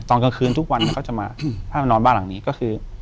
ตอนกลางคืนทุกวันน่ะเขาจะมาพ่อแม่นอนบ้านหลังนี้ก็คือ